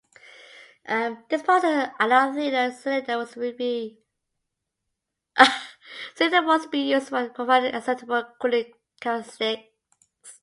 This process allowed thinner cylinder walls to be used while providing acceptable cooling characteristics.